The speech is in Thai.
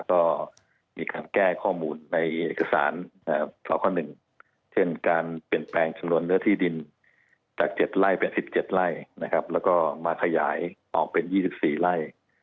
ก็มีการแก้ข้อมูลในเอกสารสค๑เช่นการเปลี่ยนแปลงจำนวนเนื้อที่ดินจาก๗ไร่เป็น๑๗ไร่นะครับแล้วก็มาขยายออกเป็น๒๔ไร่